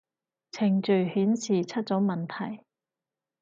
程序顯示出咗問題